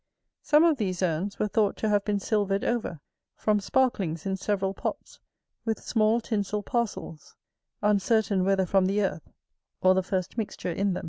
[AT] Some of these urns were thought to have been silvered over, from sparklings in several pots, with small tinsel parcels; uncertain whether from the earth, or the first mixture in them.